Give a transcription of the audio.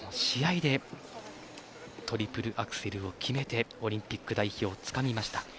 試合でトリプルアクセルを決めてオリンピック代表をつかみました。